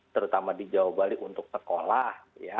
terutama di jawa bali untuk sekolah